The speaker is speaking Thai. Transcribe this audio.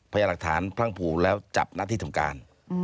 พยายามหลักฐานพรั่งผูแล้วจับหน้าที่ทำการ